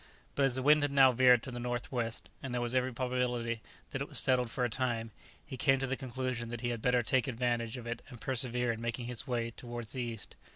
But as the wind had now veered to the north west, and there was every probability that it was settled for a time, he came to the conclusion that he had better take advantage of it and persevere in making his way towards the east.